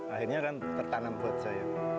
akhirnya kan tertanam buat saya